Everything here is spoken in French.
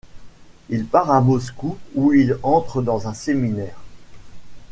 Il part à Moscou où il entre dans un séminaire.